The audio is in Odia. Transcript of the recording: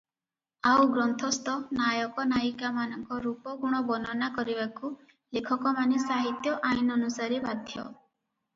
ଆଉ ଗ୍ରନ୍ଥସ୍ଥ ନାୟକ ନାୟିକାମାନଙ୍କ ରୂପ ଗୁଣ ବର୍ଣ୍ଣନା କରିବାକୁ ଲେଖକମାନେ ସାହିତ୍ୟ ଆଇନାନୁସାରେ ବାଧ୍ୟ ।